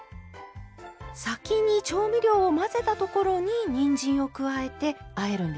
先に調味料を混ぜたところににんじんを加えてあえるんですね。